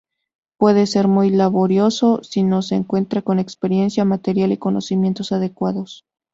Puede ser muy laborioso si no se cuenta con experiencia, material y conocimientos adecuados.